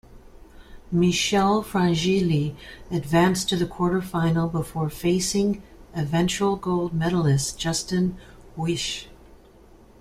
Michele Frangilli advanced to the quarterfinal before facing eventual gold medallist Justin Huish.